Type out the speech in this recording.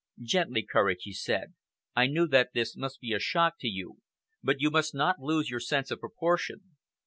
"Gently, Courage," he said. "I knew that this must be a shock to you, but you must not lose your sense of proportion.